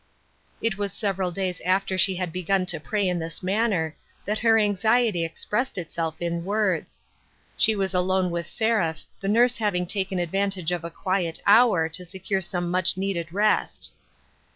It was several days after she had begun to pray in this manner that her anxiety expressed itself in words. She was alone with Seraph, the nurse having taken advantage cf a quiet hour, to secure some much needed rest.